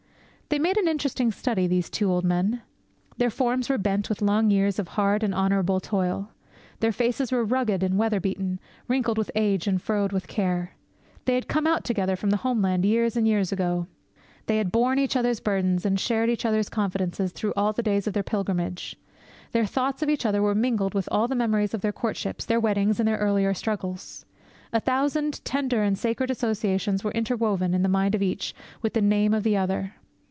They made an interesting study, these two old men. Their forms were bent with long years of hard and honourable toil. Their faces were rugged and weatherbeaten, wrinkled with age, and furrowed with care. They had come out together from the Homeland years and years ago. They had borne each other's burdens, and shared each other's confidences, through all the days of their pilgrimage. Their thoughts of each other were mingled with all the memories of their courtships, their weddings, and their earlier struggles. A thousand tender and sacred associations were interwoven, in the mind of each, with the name of the other.